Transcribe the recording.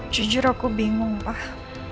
jujur aku bingung pak